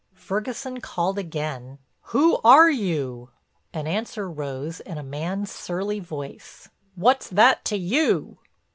Ferguson called again: "Who are you?" An answer rose in a man's surly voice: "What's that to you?"